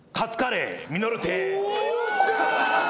よっしゃ！